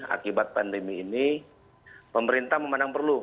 akibat pandemi ini pemerintah memandang perlu